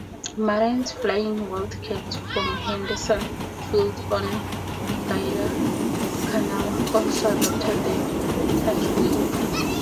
Marines flying Wildcats from Henderson Field on Guadalcanal also adopted the Thach Weave.